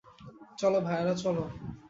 চলো, ভাইয়েরা, চলো।